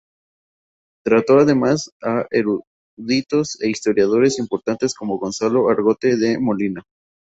Trató además a eruditos e historiadores importantes como Gonzalo Argote de Molina.